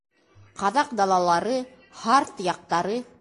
Ҡаҙаҡ далалары, һарт яҡтары...